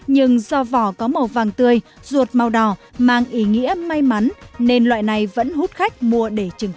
nhưng do vỏ có màu vàng tươi ruột màu đỏ mang ý nghĩa may mắn nên loại này vẫn hút khách mua để chừng tết